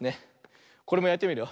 これもやってみるよ。